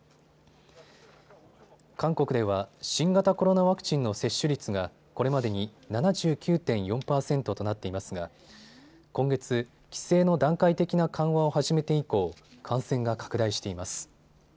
韓国では新型コロナワクチンの接種率がこれまでに７９．４％となっていますが今月、規制の段階的な緩和を始めて以降、感染が拡大しています。